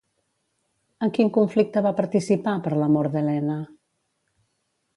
En quin conflicte va participar, per l'amor d'Helena?